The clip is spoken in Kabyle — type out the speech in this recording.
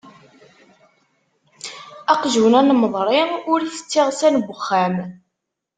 Aqjun anmeḍri ur itett iɣsan n uxxam.